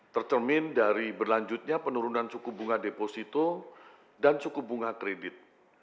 tercermin dari berlanjutnya penurunan suku bunga deposito dan suku bunga kredit